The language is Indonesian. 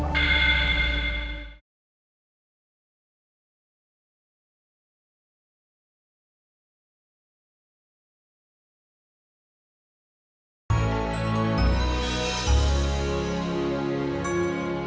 saya berterus terima kasih untuk tahunmbalunya